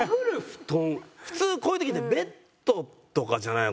普通こういう時って「ベッド」とかじゃない？